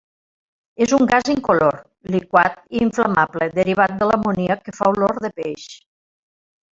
És un gas incolor, liquat i inflamable derivat de l'amoníac que fa olor de peix.